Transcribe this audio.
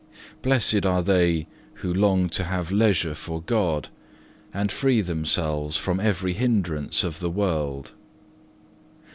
Blessed are they who long to have leisure for God, and free themselves from every hindrance of the world.